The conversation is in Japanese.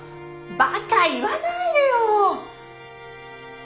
バカ言わないでよ！